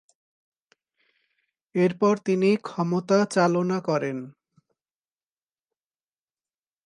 এরপর তিনি ক্ষমতা চালনা করেন।